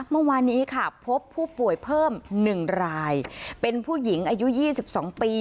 เมื่อวานนี้ค่ะพบผู้ป่วยเพิ่มหนึ่งรายเป็นผู้หญิงอายุยี่สิบสองปี